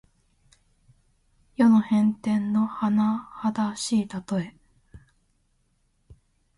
世の変転のはなはだしいたとえ。